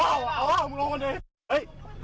เอามึงลงกันเถอะ